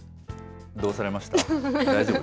どうされました？